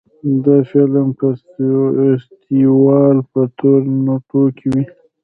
د فلم فستیوال په تورنټو کې وي.